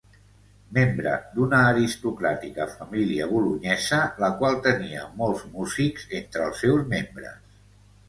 Membre d'una aristocràtica família bolonyesa la qual tenia molts músics entre els seus membres.